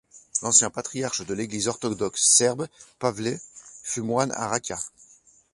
L'ancien patriarche de l'église orthodoxe serbe, Pavle, fut moine à Rača.